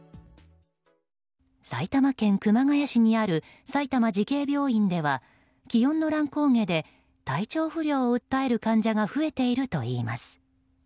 埼玉県熊谷市にある埼玉慈恵病院では気温の乱高下で体調不良を訴える患者が増えているといいます。